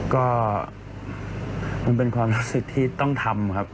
ก็มันเป็นความรู้สึกที่ต้องทำครับ